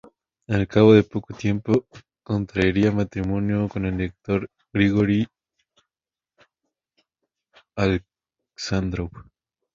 Al cabo de poco tiempo contraería matrimonio con el director Grigori Aleksándrov.